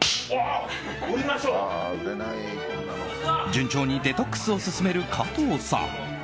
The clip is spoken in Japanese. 順調にデトックスを進める加藤さん。